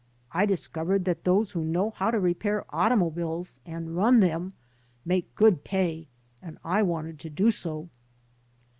I discovered that those who knew how to repair automobiles and run them naake good pay and I wanted to do so."